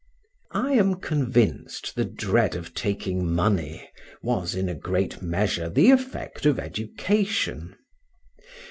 I am convinced the dread of taking money was, in a great measure, the effect of education.